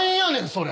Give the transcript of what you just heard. それ。